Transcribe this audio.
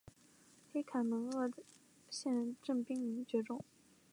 黑凯门鳄现正濒临绝种。